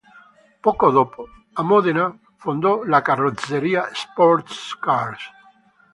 Poco dopo, a Modena, fondò la Carrozzeria Sports Cars.